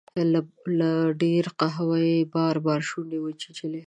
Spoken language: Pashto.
له ډیر قهره دې بار بار شونډې چیچلي